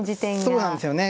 そうなんですよね。